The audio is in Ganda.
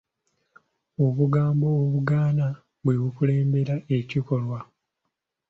Obugambo obugaana bwe bukulembera ekikolwa.